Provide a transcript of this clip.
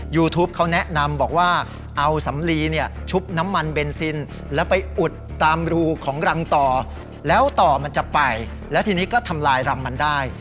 ยูทูปเขาแนะนำบอกว่าเอาสำลีเนี่ยชุบน้ำมันเบนซินแล้วไปอุดตามรูของรังต่อแล้วต่อมันจะไปแล้วทีนี้ก็ทำลายรังมันได้